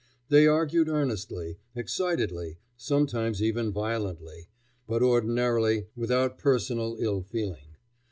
They argued earnestly, excitedly, sometimes even violently, but ordinarily without personal ill feeling.